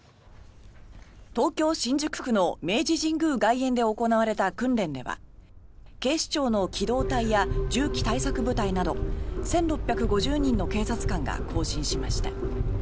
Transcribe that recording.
東京・新宿区の明治神宮外苑で行われた訓練では警視庁の機動隊や銃器対策部隊など１６５０人の警察官が行進しました。